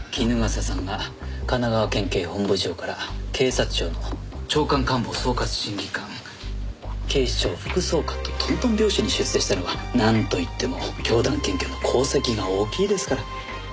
衣笠さんが神奈川県警本部長から警察庁の長官官房総括審議官警視庁副総監とトントン拍子に出世したのはなんと言っても教団検挙の功績が大きいですから。